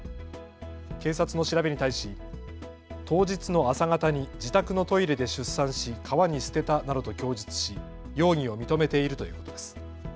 警察の調べに対し当日の朝方に自宅のトイレで出産し川に捨てたなどと供述し容疑を認めているということです。